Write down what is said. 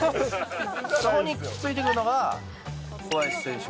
そこについてくるのが、小林選手。